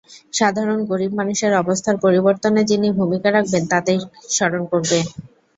সাধারণ গরিব মানুষের অবস্থার পরিবর্তনে যিনি ভূমিকা রাখবেন, তাঁকেই স্মরণ করবে।